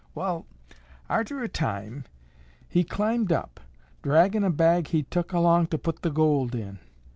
Wall, arter a time, he climbed up, draggin' a bag he'd tuk along to put the gold in.